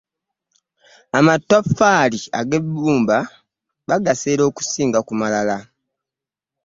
Amatoffaali ge bbumba bagaseera okusinga amalala.